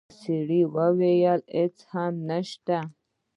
سړی وویل: هیڅ هم نشته.